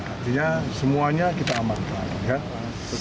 artinya semuanya kita amankan